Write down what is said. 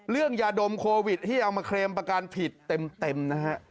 ยาดมโควิดที่เอามาเคลมประกันผิดเต็มนะฮะ